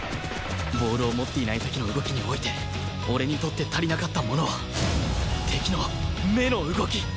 ボールを持っていない時の動きにおいて俺にとって足りなかったものは敵の目の動き！